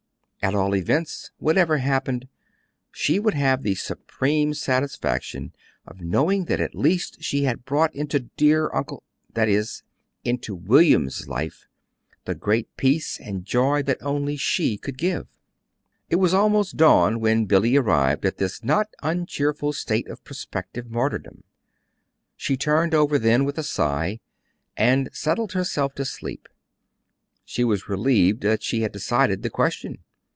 At all events, whatever happened, she would have the supreme satisfaction of knowing that at least she had brought into dear Uncle that is, into William's life the great peace and joy that only she could give. It was almost dawn when Billy arrived at this not uncheerful state of prospective martyrdom. She turned over then with a sigh, and settled herself to sleep. She was relieved that she had decided the question.